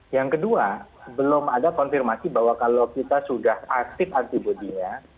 yang kedua belum ada konfirmasi bahwa kalau kita sudah aktif antibody nya